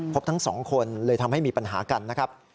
ทั้งสองคนเลยทำให้มีปัญหากันนะครับ